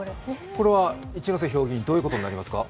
これは一ノ瀬評議員、どういうことになりますか。